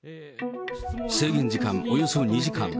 制限時間およそ２時間。